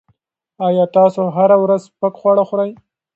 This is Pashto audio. ایا تاسو هره ورځ سپک خواړه خوري؟